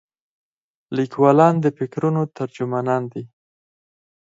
لیکوالان د فکرونو ترجمانان دي.